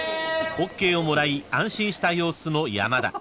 ［ＯＫをもらい安心した様子の山田］